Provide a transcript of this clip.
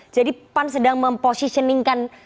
jadi pan sedang mempositioningkan